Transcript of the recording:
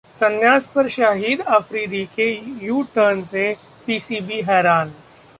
संन्यास पर शाहिद अफरीदी के यू टर्न से पीसीबी हैरान